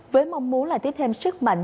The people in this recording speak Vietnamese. với mong muốn là tiếp thêm sức mạnh